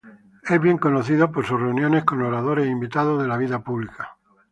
Es bien conocido por sus reuniones con oradores invitados de la vida pública.